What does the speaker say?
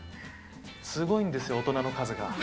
すごいんですよ、大人の数が。